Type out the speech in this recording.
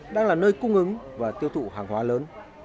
đang là nơi cung ứng và tiêu thụ hàng hóa lớn